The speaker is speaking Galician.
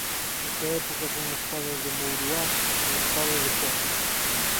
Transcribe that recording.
Desta época son a espada de Mouruás e a espada de Forcas.